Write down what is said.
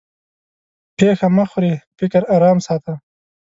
پېښه مه خورې؛ فکر ارام ساته.